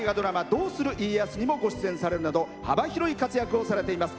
「どうする家康」にもご出演されるなど幅広い活躍をされています。